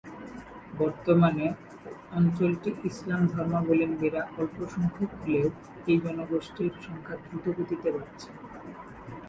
বর্তমানে, অঞ্চলটি ইসলাম ধর্মাবলম্বীরা অল্পসংখ্যক হলেও এই জনগোষ্ঠীর সংখ্যা দ্রুতগতিতে বাড়ছে।